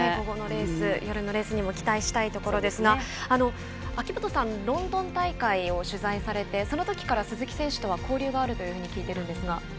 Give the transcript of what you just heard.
夜のレースにも期待したいところですが秋元さんロンドン大会を取材されてそのときから鈴木選手とは交流があると聞いてるんですが。